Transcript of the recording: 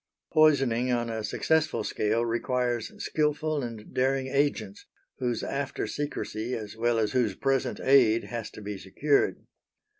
Poisoning on a successful scale requires skilful and daring agents, whose after secrecy as well as whose present aid has to be secured.